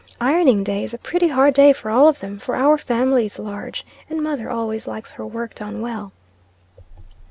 Ironing day is a pretty hard day for all of them, for our family is large, and mother always likes her work done well."